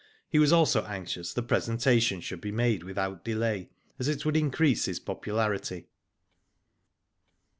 He was also anxious the presentation should be made without delay, as it would increase his popularity.